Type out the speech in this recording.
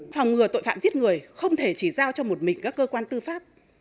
phòng ngừa tội phạm giết người không thể chỉ giao cho một mình các cơ quan tư pháp